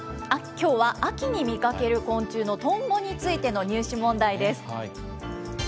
きょうは秋に見かける昆虫のトンボについての入試問題です。